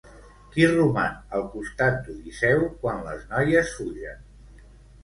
Qui roman al costat d'Odisseu quan les noies fugen?